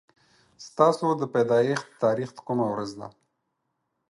ستاسو د پيدايښت تاريخ کومه ورځ ده